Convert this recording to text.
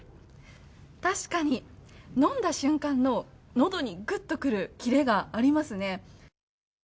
確かに飲んだ瞬間の、のどにぐっとくるキレがありますね。